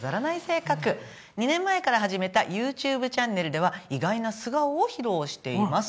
２年前から始めたＹｏｕＴｕｂｅチャンネルでは意外な素顔を披露しています。